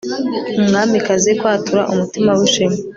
Umwamikazi kwatura umutima wishema